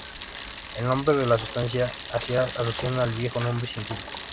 El nombre de la sustancia hace alusión al viejo nombre científico.